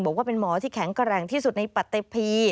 บอกว่าเป็นหมอที่แข็งแกร่งที่สุดในปฏิพี